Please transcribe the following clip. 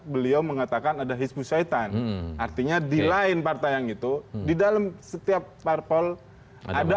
beliau mengatakan ada hizbut shaitan artinya di lain partai yang itu di dalam setiap parpol ada